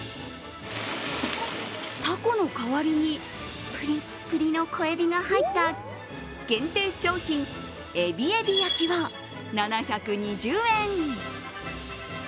たこの代わりにぷりっぷりの小エビが入った限定商品、えびえび焼は７２０円。